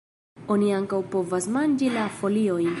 Oni ankaŭ povas manĝi la foliojn.